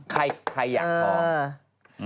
ใครอยากท้อง